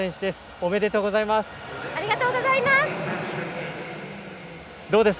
おめでとうございます！